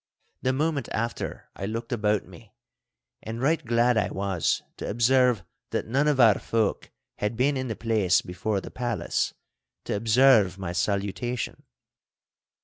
The moment after I looked about me, and right glad I was to observe that none of our folk had been in the place before the palace to observe my salutation.